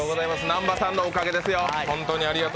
南波さんのおかげですよ。